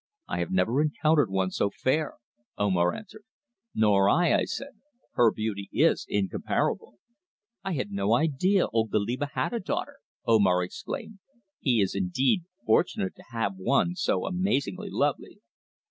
I have never encountered one so fair," Omar answered. "Nor I," I said. "Her beauty is incomparable." "I had no idea old Goliba had a daughter," Omar exclaimed. "He is indeed fortunate to have one so amazingly lovely."